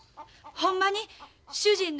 ほんまにね。